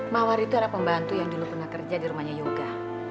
mawar itu adalah pembantu yang dulu pernah kerja di rumahnya yoga